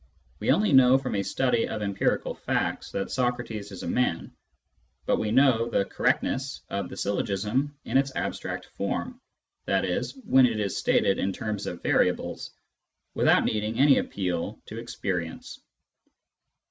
We only know from a study of empirical facts that Socrates is a man, but we know the correct ness of the syllogism in its abstract form {i.e. when it is stated in terms of variables) without needing any appeal to experience.